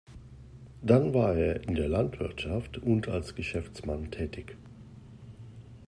Dann war er in der Landwirtschaft und als Geschäftsmann tätig.